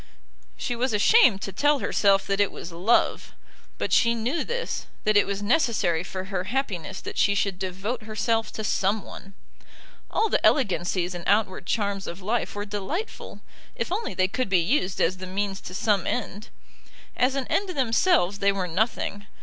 She was ashamed to tell herself that it was love. But she knew this, that it was necessary for her happiness that she should devote herself to some one. All the elegancies and outward charms of life were delightful, if only they could be used as the means to some end. As an end themselves they were nothing.